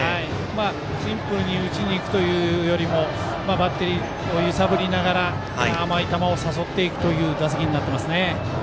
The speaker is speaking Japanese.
シンプルに打ちにいくというよりもバッテリーを揺さぶりながら甘い球を誘っていくという打席になってますね。